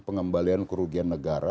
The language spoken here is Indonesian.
pengembalian kerugian negara